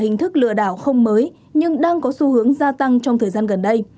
những lựa đảo không mới nhưng đang có xu hướng gia tăng trong thời gian gần đây